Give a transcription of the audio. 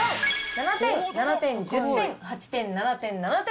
７点７点１０点８点７点７点。